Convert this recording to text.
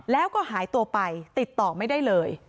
แล้วก็หายตัวไปติดต่อไม่ได้เลย